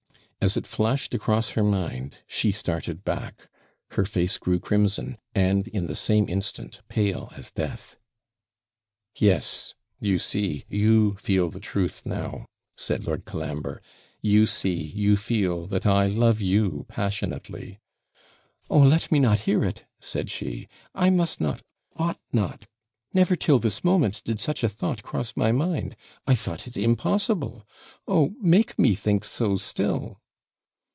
As it flashed across her mind, she started back; her face grew crimson, and, in the same instant, pale as death. 'Yes you see, you feel the truth now,' said Lord Colambre. 'You see, you feel, that I love you passionately.' 'Oh, let me not hear it!' said she; 'I must not ought not. Never, till this moment, did such a thought cross my mind I thought it impossible oh, make me think so still.'